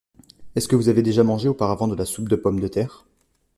Est-ce que vous avez déjà mangé auparavant de la soupe de pommes de terre ?